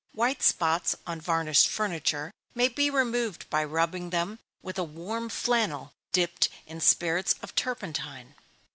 White spots on varnished furniture may be removed by rubbing them with a warm flannel, dipped in spirits of turpentine.